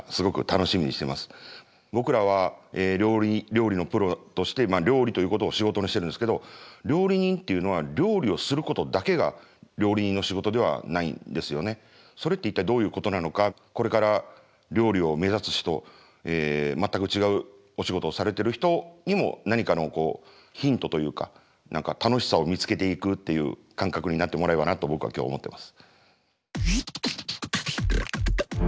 僕らは料理のプロとして料理ということを仕事にしてるんですけど料理人っていうのはそれって一体どういうことなのかこれから料理を目指す人全く違うお仕事をされてる人にも何かのヒントというか何か楽しさを見つけていくっていう感覚になってもらえばなと僕は今日思ってます。